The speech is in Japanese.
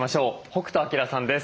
北斗晶さんです。